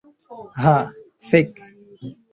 Ha, fek.